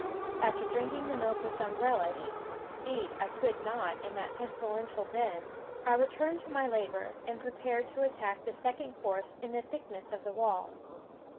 After drinking the milk with some relish eat I could not in that pestilential den I returned to my labour, and prepared to attack the second course in the thickness of the wall.